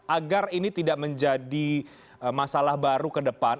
agar ini tidak menjadi masalah baru ke depan